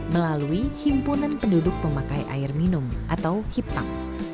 melalui himpunan penduduk pemakai air minum atau hipam